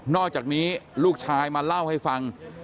อกจากนี้ลูกชายมาเล่าให้ฟัง